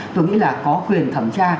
tôi nghĩ là có quyền thẩm tra